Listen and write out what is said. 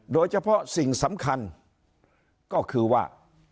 โดยเฉพาะสิ่งสำคัญก็คือว่า